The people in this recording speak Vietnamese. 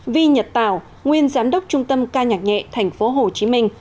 bốn vi nhật tảo nguyên giám đốc trung tâm ca nhạc nhẹ tp hcm